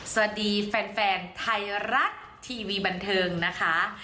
สวัสดีแฟนไทยรัฐทีวีบันเทิงนะคะ